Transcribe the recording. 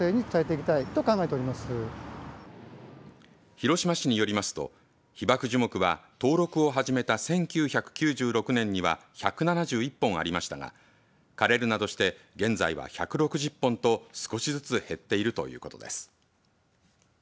広島市によりますと被爆樹木は登録を始めた１９９６年には１７１本ありましたが枯れるなどして現在は１６０本と少しずつ減っているということです。